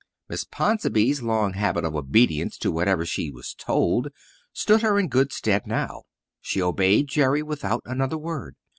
Miss Ponsonby's long habit of obedience to whatever she was told stood her in good stead now. She obeyed Jerry without another word.